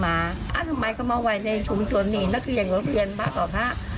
ทำไมก็มาไว้ในชุมจวนหนีนนักเรียนนักเรียนพระกราบศาสตร์